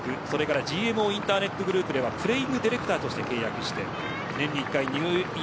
ＧＭＯインターネットグループではプレーイングディレクターとしても所属しています。